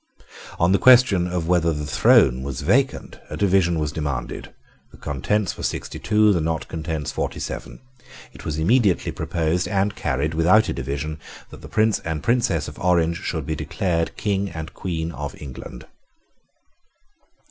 On the question whether the throne was vacant, a division was demanded. The Contents were sixty two; the Not Contents forty seven. It was immediately proposed and carried, without a division, that the Prince and Princess of Orange should be declared King and Queen of England.